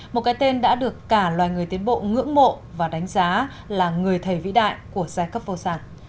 một cái tên đã được cả loài người tiến bộ ngưỡng mộ và đánh giá là người thầy vĩ đại của giai cấp vô sản